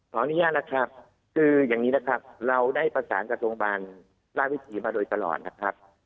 ขออนุญาตนะครับคืออย่างนี้นะครับเราได้ประสานกับโรงพยาบาลราชวิถีมาโดยตลอดนะครับ